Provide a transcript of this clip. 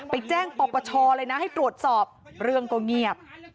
ไปแจ้งปปชเลยนะให้ตรวจสอบเรื่องก็เงียบ